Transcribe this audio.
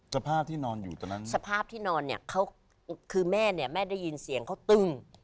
สภาพที่นอนอยู่ตอนนั้นสภาพที่นอนเนี่ยคือแม่ได้ยินเสียงเขาตึง